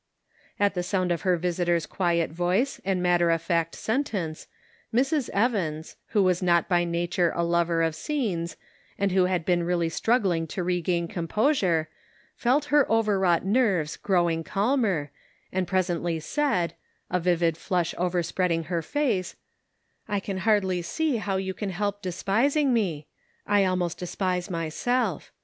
At the sound of her visitor's quiet voice and matter of fact sentence, Mrs. Evans, who was not by nature a lover of scenes, and who had been really struggling to regain composure, felt her overwrought nerves growing calmer, and presently said — a vivid blush overspreading her face: " I can hardly see how you can help despis 304 The Pocket Measure. ing me ; I almost depise myself.